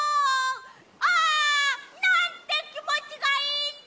ああなんてきもちがいいんだ！